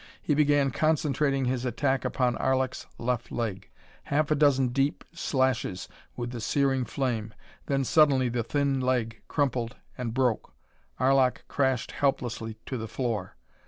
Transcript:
He began concentrating his attack upon Arlok's left leg. Half a dozen deep slashes with the searing flame then suddenly the thin leg crumpled and broke. Arlok crashed helplessly to the floor.